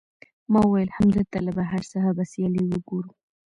ما وویل، همدلته له بهر څخه به سیالۍ وګورو.